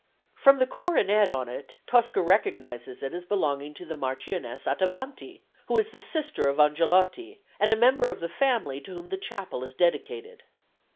From the coronet on it Tosca recognises it as belonging to the Marchioness Attavanti, who is the sister of Angelotti, and a member of the family to whom the chapel is dedicated.